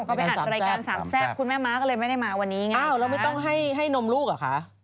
ก็ไปอัดรายการสามแซ่บคุณแม่ม้าก็เลยไม่ได้มาวันนี้ไงอ้าวแล้วไม่ต้องให้นมลูกเหรอคะ